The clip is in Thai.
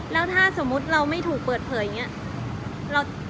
แล้วถ้าสมมุติเราไม่ถูกเปิดเผยอย่างนี้